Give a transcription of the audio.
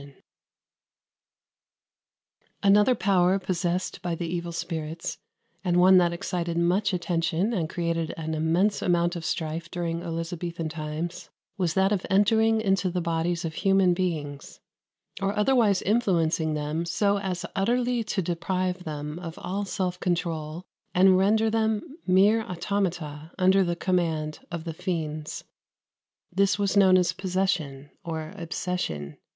[Footnote 1: § 58, p. 59.] 60. Another power possessed by the evil spirits, and one that excited much attention and created an immense amount of strife during Elizabethan times, was that of entering into the bodies of human beings, or otherwise influencing them so as utterly to deprive them of all self control, and render them mere automata under the command of the fiends. This was known as possession, or obsession.